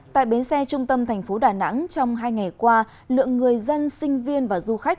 tại bến xe trung tâm thành phố đà nẵng trong hai ngày qua lượng người dân sinh viên và du khách